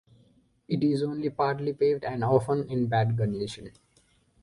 It is only partly paved and often in bad condition.